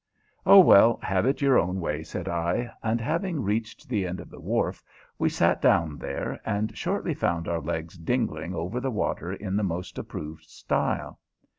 "Oh, well, have it your own way," said I; and, having reached the end of the wharf, we sat down there, and shortly found our legs "dingling" over the water in the most approved style.